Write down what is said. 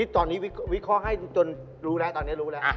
ตอนนี้วิเคราะห์ให้จนรู้แล้ว